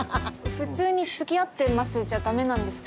普通につきあってますじゃダメなんですか？